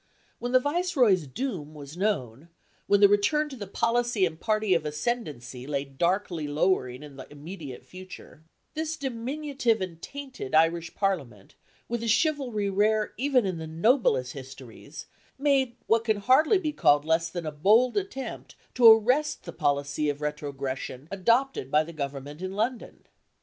When the Viceroy's doom was known, when the return to the policy and party of ascendency lay darkly lowering in the immediate future, this diminutive and tainted Irish Parliament, with a chivalry rare even in the noblest histories, made what can hardly be called less than a bold attempt to arrest the policy of retrogression adopted by the Government in London.